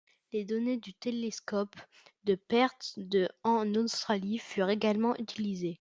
Les données du télescope de Perth de en Australie furent également utilisées.